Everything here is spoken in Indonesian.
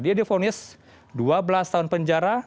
dia difonis dua belas tahun penjara